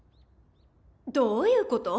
どういうこと？